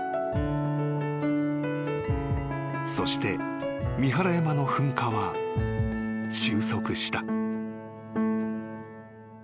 ［そして三原山の噴火は終息した］